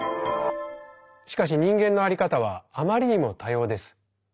しかし人間のあり方はあまりにも多様です。